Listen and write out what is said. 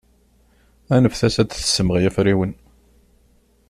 Anfet-as ad d-tessemɣi afriwen.